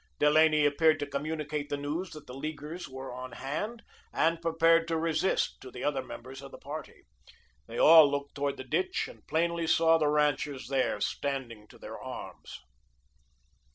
Delaney appeared to communicate the news that the Leaguers were on hand and prepared to resist, to the other members of the party. They all looked toward the ditch and plainly saw the ranchers there, standing to their arms.